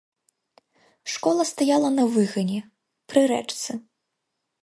Школа стаяла на выгане, пры рэчцы.